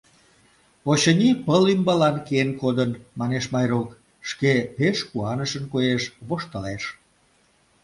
— Очыни, пыл ӱмбалан киен кодын, — манеш Майрук, шке пеш куанышын коеш, воштылеш.